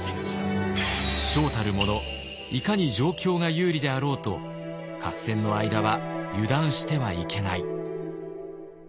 将たる者いかに状況が有利であろうと合戦の間は油断してはいけない。